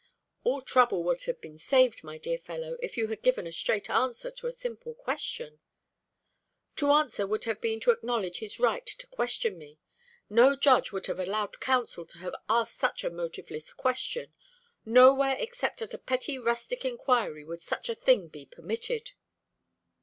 "All trouble would have been saved, my dear fellow, if you had given a straight answer to a simple question." "To answer would have been to acknowledge his right to question me. No judge would have allowed counsel to have asked such a motiveless question. Nowhere except at a petty rustic inquiry would such a thing be permitted."